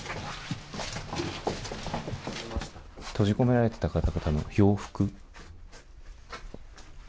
閉じ込められていた方々の洋服。